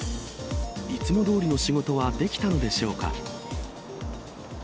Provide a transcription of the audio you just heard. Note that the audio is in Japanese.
いつもどおりの仕事はできたのでしょうか。